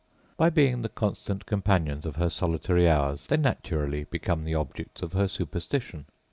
By being the constant companions of her solitary hours they naturally become the objects of her superstition.